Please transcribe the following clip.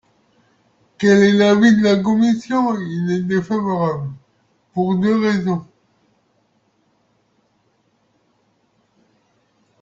Quel est l’avis de la commission ? Il est défavorable, pour deux raisons.